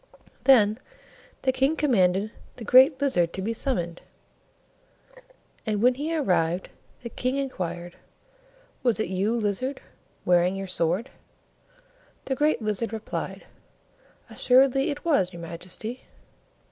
Then the King commanded the Great Lizard to be summoned, and when he arrived, the King inquired, "Was it you, Lizard, wearing your sword?" The Great Lizard replied, "Assuredly it was, your Majesty."